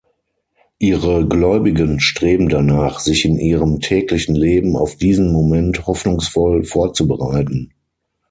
Ihre Gläubigen streben danach, sich in ihrem täglichen Leben auf diesen Moment hoffnungsvoll vorzubereiten.